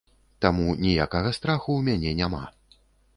Таму ніякага страху ў мяне няма.